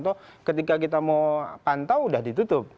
atau ketika kita mau pantau sudah ditutup